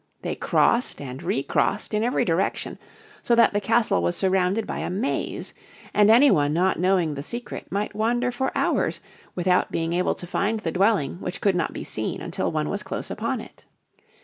They crossed and re crossed in every direction, so that the castle was surrounded by a maze, and any one not knowing the secret might wander for hours without being able to find the dwelling which could not be seen until one was close upon it.